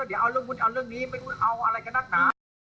เดี๋ยวเอาเรื่องนู้นเอาเรื่องนี้ไม่รู้เอาอะไรกับนักหนา